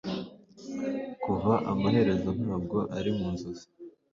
Kuva amaherezo ntabwo ari mu nzozi